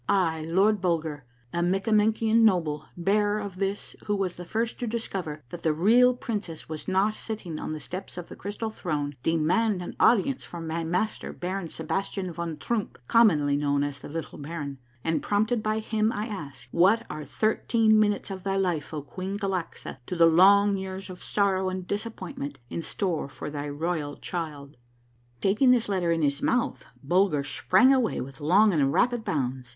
"I, Lord Bulger, a Mikkamenkian Noble, Bearer of this, who was the first to discover that the real princess was not sitting on 80 ■ A MARVELLOUS UNDERGROUND JOURNEY the steps of the Crystal Throne, demand an audience for my Master Baron Sebastian von Troomp, commonly known as ' Little Baron Trump,' and prompted by him I ask, What are thirteen minutes of thy life, O Queen Galaxa, to the long years of sorrow and disappointment in store for thy royal child? " Taking this letter in his mouth, Bulger sprang away with long and rapid bounds.